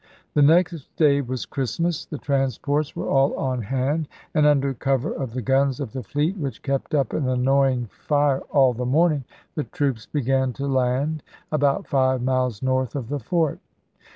The next day was Christmas ; the transports were all on hand, and under cover of the guns of the fleet, which kept up an annoying 62 ABRAHAM LINCOLN chap. hi. fire all the morning, the troops began to land about five miles north of the fort.